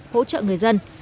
hỗ trợ người dân